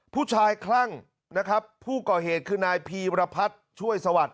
คลั่งนะครับผู้ก่อเหตุคือนายพีรพัฒน์ช่วยสวัสดิ